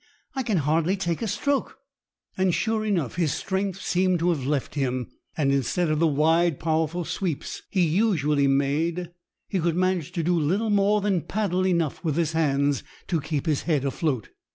I can hardly take a stroke." And, sure enough, his strength seemed to have left him. and instead of the wide, powerful sweeps he usually made, he could manage to do little more than paddle enough with his hands to keep his head afloat.